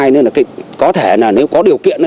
nên là có thể là nếu có điều kiện